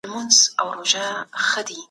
په تېرو وختونو کي سياستپوهنې ډېر پرمختګ کړی دی.